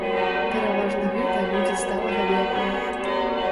Пераважна гэта людзі сталага веку.